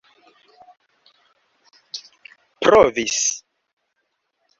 provis